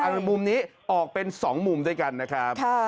ในมุมนี้ออกเป็น๒มุมด้วยกันนะครับ